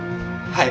はい。